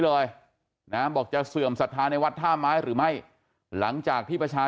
เลยนะบอกจะเสื่อมศรัทธาในวัดท่าไม้หรือไม่หลังจากที่ประชา